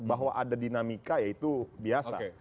bahwa ada dinamika ya itu biasa